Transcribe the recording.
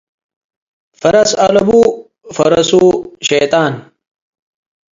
ፈረስ አለቡ ፈረሱ ሼጣን።